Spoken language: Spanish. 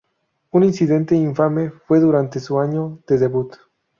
Un incidente infame fue durante su año de debut.